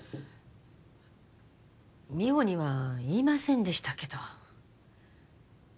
美帆には言いませんでしたけど。